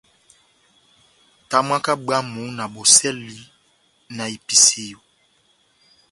Tamwaka bwámu na bosɛli na episiyo.